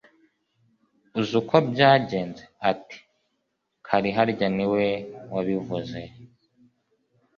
uzi uko byagenze, ati «kariharya niwe wabivuze»